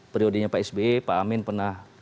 periodenya pak sby pak amin pernah